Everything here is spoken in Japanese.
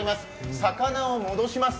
魚を戻します。